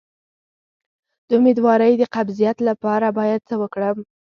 د امیدوارۍ د قبضیت لپاره باید څه وکړم؟